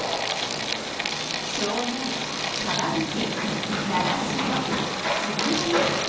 湘南、川口、習志野、杉並。